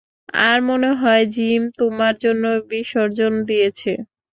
আর মনেহয় জিম তোমার জন্য বিসর্জন দিয়েছে।